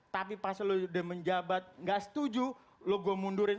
tapi pas lo udah menjabat gak setuju lo gue mundurin